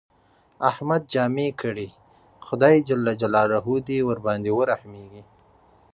احمد جامې کړې، خدای ج دې ورباندې ورحمېږي.